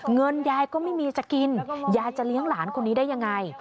เงินยายก็ไม่มีจะกินยายจะเลี้ยงหลานคนนี้ได้ยังไง